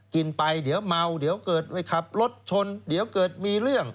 กินไปเดี๋ยวเมาเดี๋ยวเกิดไปขับรถชนเดี๋ยวเกิดมีเรื่อง